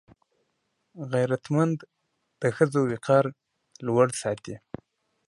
غیرتمند د ښځو وقار لوړ ساتي